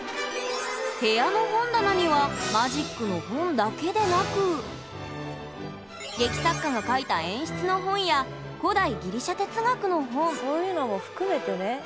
部屋の本棚には劇作家が書いた演出の本や古代ギリシャ哲学の本そういうのも含めてね。